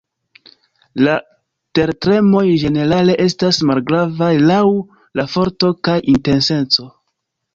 La tertremoj ĝenerale estas malgravaj laŭ la forto kaj intenseco.